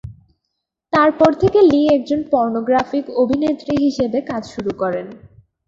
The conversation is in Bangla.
তারপর থেকে লি একজন পর্নোগ্রাফিক অভিনেত্রী হিসেবে কাজ শুরু করেন।